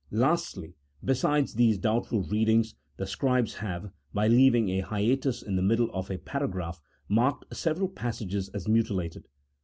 Lastly, besides these doubtful readings the scribes have (by leaving a hiatus in the middle of a paragraph) marked several passages as mutilated.